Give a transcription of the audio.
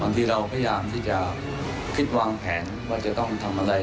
ที่เราพยายามที่จะคิดวางแผนว่าจะต้องทำอะไร